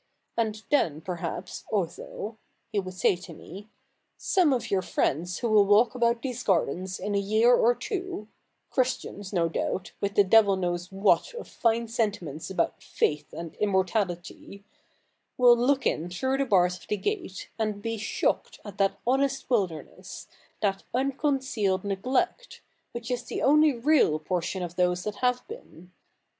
And then perhaps, Otho,"' he would say to me, " some of your friends who will walk about these gardens in a year or two — Christians, no doubt, with the devil knows what of fine sentiments about faith and immortality — will look in through the bars of the gate, and be shocked at that honest wilderness, that unconcealed neglect, which is the only real portion of those that have been."